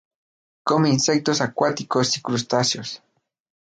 Come insectos acuáticos y crustáceos.